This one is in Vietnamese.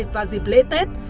và dịp lễ tết